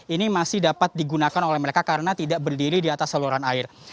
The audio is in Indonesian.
ini masih dapat digunakan oleh mereka karena tidak berdiri di atas saluran air